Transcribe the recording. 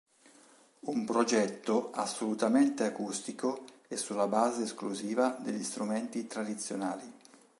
Un progetto assolutamente acustico e sulla base esclusiva degli strumenti tradizionali.